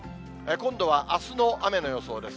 今度はあすの雨の予想です。